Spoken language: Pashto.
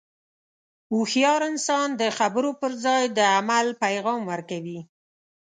هوښیار انسان د خبرو پر ځای د عمل پیغام ورکوي.